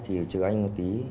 thì trừ anh một tí